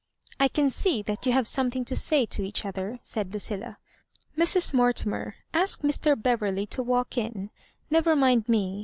"I can see that you have something to say to each other," said Lucilla. "Mrs. Mortimer, ask Mr. Beverley to walk in. Never mind me.